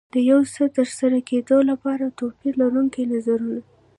د یو څه ترسره کېدو لپاره توپير لرونکي نظرونه.